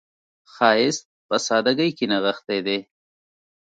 ښایست په سادګۍ کې نغښتی دی